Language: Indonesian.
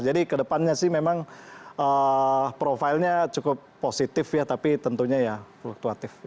jadi ke depannya sih memang profilnya cukup positif ya tapi tentunya ya fluktuatif